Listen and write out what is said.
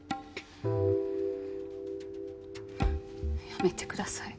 やめてください。